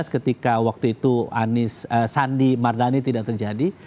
ketika waktu itu anies sandi mardani tidak terjadi